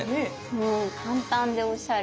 もう簡単でおしゃれ。